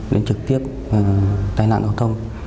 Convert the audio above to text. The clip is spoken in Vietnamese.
đến trực tiếp tai nạn giao thông